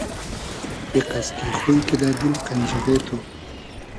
ایقئس کی خوی کیدۂ دیل قئنخیغې تو